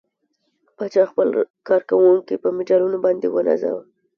پاچا خپل کارکوونکي په مډالونو باندې ونازوه.